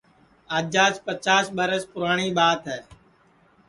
آجاس پچاس ٻرس پُراٹؔی ٻات ہے